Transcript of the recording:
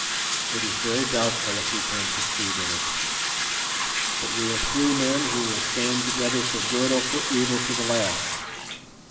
It is very doubtful if we can succeed in it. But we are three men who will stand together for good or for evil to the last.